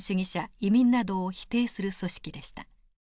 移民などを否定する組織でした。